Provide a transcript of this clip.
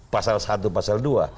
pasal satu pasal dua